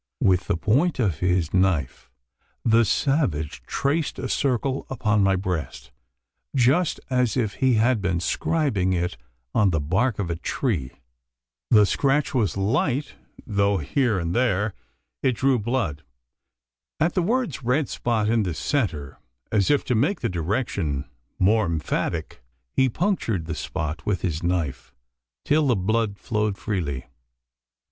With the point of his knife, the savage traced a circle upon my breast just as if he had been scribing it on the bark of a tree. The scratch was light, though here and there it drew blood. At the words "red spot in the centre," as if to make the direction more emphatic, he punctured the spot with his knife till the blood flowed freely.